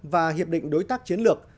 và hiệp định đối tác chiến lược